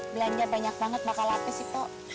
belanja banyak banget bakal lapis sih po